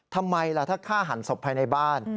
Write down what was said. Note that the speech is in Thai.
ทำไมล่ะถ้าฆ่าหันศพภายในบ้าน